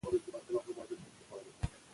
هغه په هندوستان کې د ناروغۍ له امله وفات شو.